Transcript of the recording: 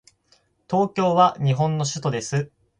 東京は日本の首都です。